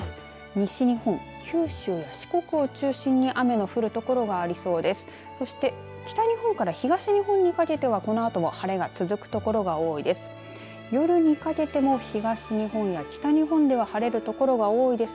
西日本、九州、四国を中心に雨の降る所がありそうです。